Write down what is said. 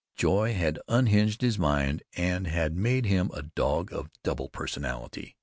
Joy had unhinged his mind and had made him a dog of double personality.